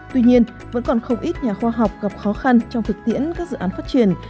tuy nhiên vẫn còn không ít nhà khoa học gặp khó khăn trong thực tiễn các dự án phát triển